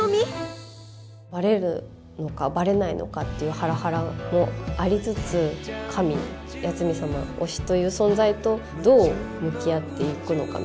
バレるのかバレないのかっていうハラハラもありつつ神八海サマ推しという存在とどう向き合っていくのかみたいな。